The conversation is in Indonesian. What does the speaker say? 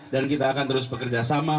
dan kita akan terus bekerjasama